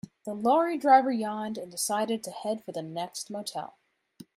The lorry driver yawned and decided to head for the next motel.